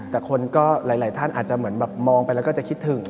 แต่คนก็หลายท่านอาจจะเหมือนแบบมองไปแล้วก็จะคิดถึง